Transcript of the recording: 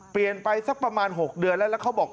ไปสักประมาณ๖เดือนแล้วแล้วเขาบอก